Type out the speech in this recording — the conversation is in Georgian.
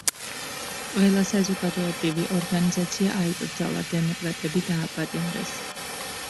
ყველა საზოგადოებრივი ორგანიზაცია აიკრძალა, დემოკრატები დააპატიმრეს.